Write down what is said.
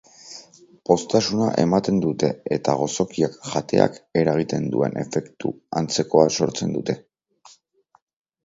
Poztasuna ematen dute eta gozokiak jateak eragiten duen efektu antzekoa sortzen dute.